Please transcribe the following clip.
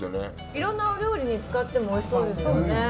いろんなお料理に使ってもおいしそうですよね。